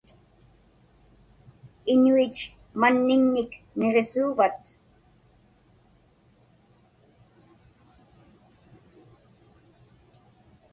Iñuit manniŋñik niġisuuvat?